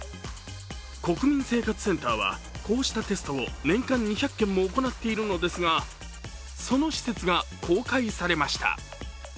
国民生活センターはこうしたテストを年間２００件も行っているのですが、その施設が公開されました。